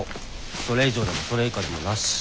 それ以上でもそれ以下でもなし。